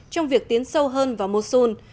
trong việc tiến sâu hơn vào mosul